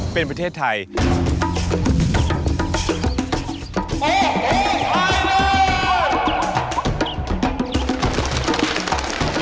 เป็นประเทศไทย